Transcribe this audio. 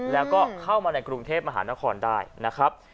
แล้วก็เข้ามาในกรุงเทพมหานครได้นะครับ